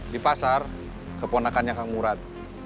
di pasar keponakannya kang murat